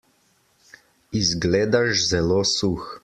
Izgledaš zelo suh.